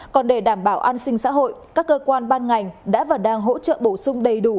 còn để đảm bảo an sinh xã hội các cơ quan ban ngành đã và đang hỗ trợ bổ sung đầy đủ